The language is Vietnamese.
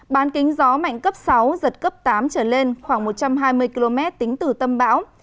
bán kính gió mạnh cấp sáu giật cấp tám trở lên khoảng một trăm hai mươi km tính từ tâm bão